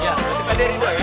iya pak d rido ya